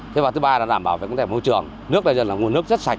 thứ ba là đảm bảo vệ môi trường nước này là nguồn nước rất sạch